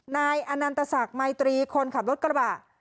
นายอันนันตสักมัยตรีคนขับรถกระบะ